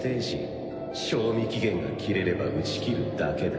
賞味期限が切れれば打ち切るだけだ。